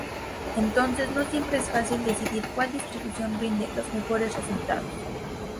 Entonces no siempre es fácil decidir cual distribución rinde los mejores resultados.